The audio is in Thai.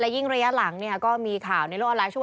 และยิ่งระยะหลังเนี่ยก็มีข่าวในโลกออนไลน์ชั่ว